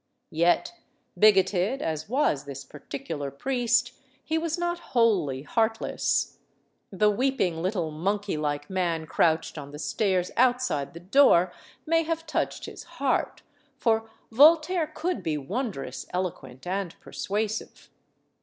Yet, bigoted as was this particular priest, he was not wholly heartless. The weeping little monkeylike man crouched on the stairs outside the door may have touched his heart; for Voltaire could be wondrous eloquent and persuasive.